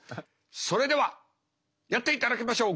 それではやっていただきましょう。